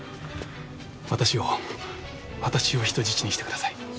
私を私を人質にしてください。